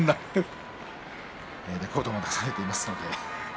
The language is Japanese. レコードも出されています。